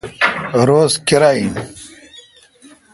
روز کیرا این۔